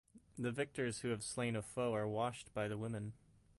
The victors who have slain a foe are washed by the women.